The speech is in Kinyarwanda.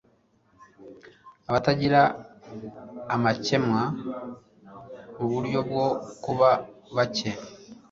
Abatagira amakemwa muburyo bwo kuba bake